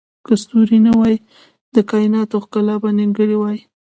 که ستوري نه وای، د کایناتو ښکلا به نیمګړې وای.